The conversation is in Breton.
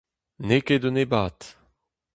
N'eo ket un ebat !